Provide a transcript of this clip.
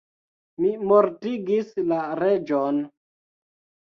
Mi mortigis la reĝon.